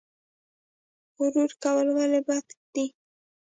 غرور کول ولې بد دي؟